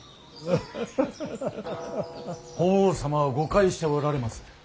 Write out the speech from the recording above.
法皇様は誤解しておられます。